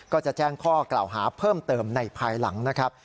ก็จะแจ้งข้อกล่าวหาเพิ่มเติมในภายหลังนะครับ